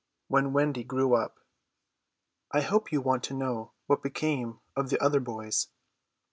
WHEN WENDY GREW UP I hope you want to know what became of the other boys.